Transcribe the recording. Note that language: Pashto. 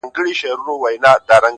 • یو په یو یې د ژوند حال ورته ویلی,